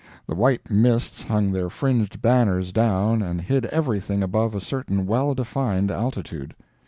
The white mists hung their fringed banners down and hid everything above a certain well defined altitude.